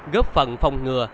góp phần phòng ngừa